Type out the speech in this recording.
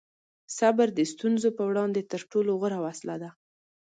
صبر د ستونزو په وړاندې تر ټولو غوره وسله ده.